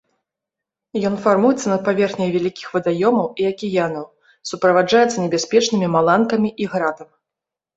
Ён фармуецца над паверхняй вялікіх вадаёмаў і акіянаў, суправаджаецца небяспечнымі маланкамі і градам.